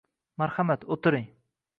Marhamat, o'tiring.